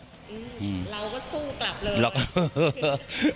เราก็สู้กลับเลย